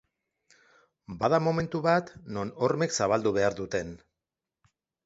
Bada momentu bat non hormek zabaldu behar duten.